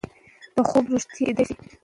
دا خوب رښتیا کیدای شي.